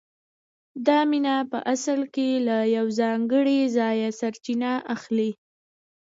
دا مینه په اصل کې له یو ځانګړي ځایه سرچینه اخلي